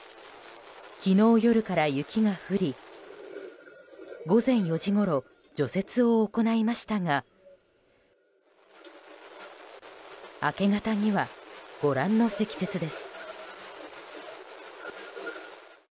昨日夜から雪が降り午前４時ごろ除雪を行いましたが明け方にはご覧の積雪です。